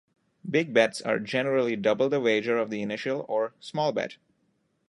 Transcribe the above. Big bets are generally double the wager of the initial or "small bet".